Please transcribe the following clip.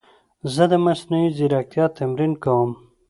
زه د مصنوعي ځیرکتیا تمرین کوم.